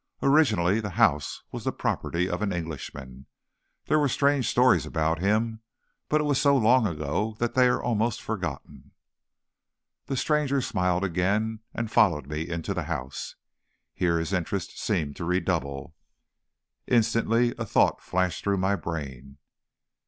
Originally the house was the property of an Englishman. There were strange stories about him, but it was so long ago that they are almost forgotten." The stranger smiled again, and followed me into the house. Here his interest seemed to redouble. Instantly a thought flashed through my brain.